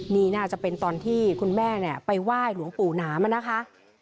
นี่น่าจะเป็นตอนที่คุณแม่ไปไหว้หลวงปู่หนามานะคะ